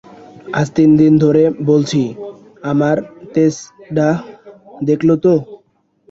আজ তিনদিন ধরে বলছি-আবার তেজডা দেখলে তো?